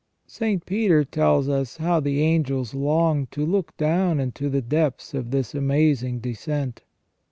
St. Peter tells us how the angels longed to look down into the depths of this amazing descent.